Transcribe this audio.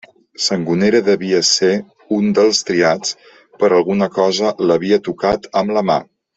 Sangonera devia ser un dels triats: per alguna cosa l'havia tocat amb la mà.